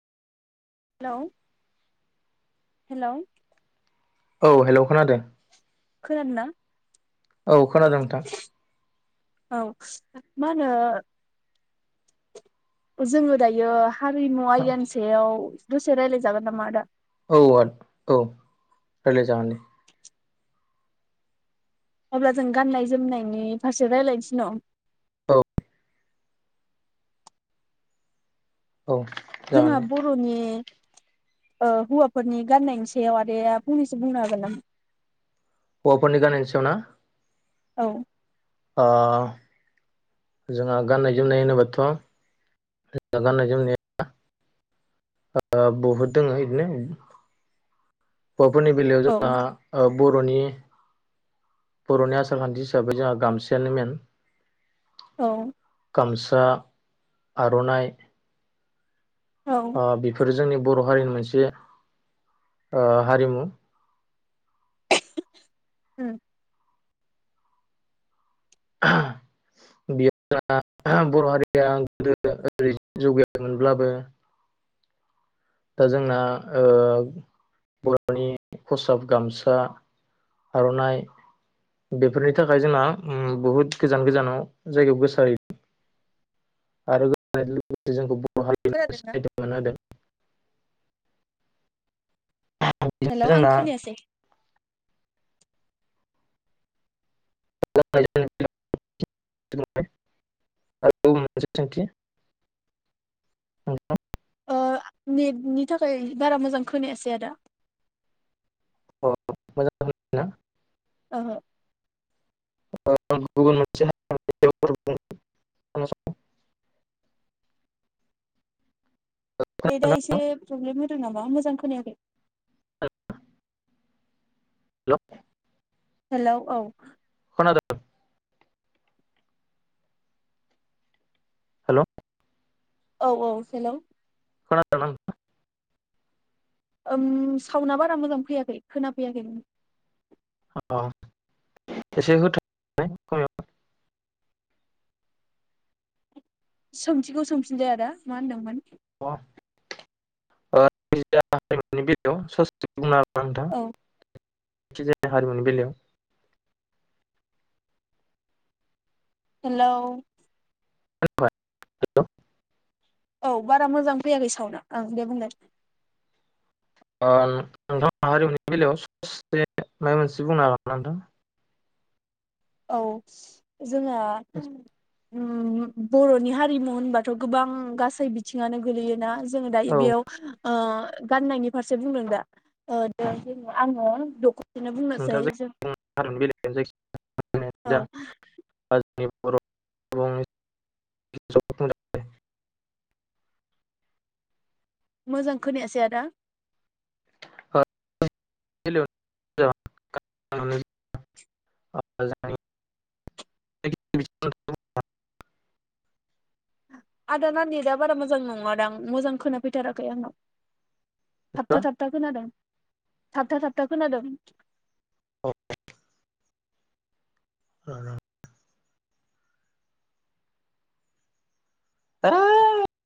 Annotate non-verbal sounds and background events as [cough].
Hello hello. औ hello खोनादों? खोनादों ना? औ। खोनादों नोंथां। मानो जोङो दायो हारिमु आयानिसायाव दुसे रायलाय जागोन नामा आदा औ औ रायलाय जागनदे अब्ला जों गाननाय जोमनायनि फारसे रायज्लायनोसै नं। औ। औ जागोन जोंहा दे बर'नि। ओ हुवाफोरनि गाननाय सायाव आदाया फोथैनो बुंनो हागोन नामा? हौवाफोरनि गावनायनि सायाव ना? औ। ओ जोंहा गाननाय जोमनाय होनोबाथ ज गाननाय जोमनाया बहुद दङ बिदिनो हौवाफोरनि बेलायाव औ जोंना बर'नि बर'नि आसार खान्थि हिसाबै जोंहा गामसायानो मेन- औ। गामसा आरनाइ। औ बेफोर जोंनि बर' हारिनि मोनसे हारिमु ओम। बेयाव द बर' हारिया गोदो ओरै जौगाययोनब्लाबो दा जोंना बर'नि फसाब गामसा आरनाइ बेफोरनि थाखाय जोंना बुहुद गोजान गोजानाव जायगायाव गोसारहैदों आरो लोगोसे जोंखौ खोनादोंना सिनायथि मोन होदों हेल' आं खोनायासै [unintelligible] ओ नेटनि थाखाय बारा मोजां खोनायासै आदा। औ मोजां। औ। गुबुन मोनसे [unintelligible] नेटा इसे प्रब्लेम होदों नामा मोजां खोनायाखै। [unintelligible] हेल' हेलौ औ। [unintelligible] हेल' औ औ हेल' [unintelligible] ओम साउनआ बारा मोजां फैयाखै खोनाफैयाखै नों औ एसे होथ सोंथिखौ सोंफिनलाय आदा मा होनदोंमोन। [unintelligible] बेलायाव ससे। [unintelligible] हागोनना नोंथां? औ खिजाया हारिमुनि बेलायाव। हेलौ खोनायाखय? हेलौ औ बारा मोजां फैयाखै सावनआ ओं दे बुंलाय। अ ओ नोंथांआ हारिमुनि बेलायाव ससे मायबा मोनसे बुंनो हागोनना नोंथां? औ जोंङा नोंथां उम बर'नि हारिमु होनबाथ'गोबां गासै बिथिङानो गोलैयोना जोङो दायो औ बेयाव ओ गाननायनि फारसे बुंदों दा? ओ दा जोङो आंङो द नोंथाङां जायखो बुङो हारिमुनि बेलायाव जायखिजाया। औ [unintelligible] मोजां खोनायासै आदा। [unintelligible] आदाना नेटआ बारा मो जां नङादां मोजां खोनाफैथाराखै आंनाव थाबथा थाबथा खोनादों। थाबथा थाबथा खोनादोंं। [unintelligible] र' र' र' [inaudible]